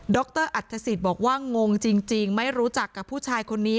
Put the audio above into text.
รอัฐศิษย์บอกว่างงจริงไม่รู้จักกับผู้ชายคนนี้